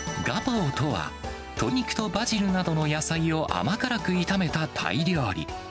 ガパオとは、鶏肉とバジルなどの野菜を甘辛く炒めたタイ料理。